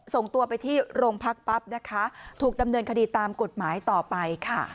ส่งตัวไปที่โรงพักปั๊บนะคะถูกดำเนินคดีตามกฎหมายต่อไปค่ะ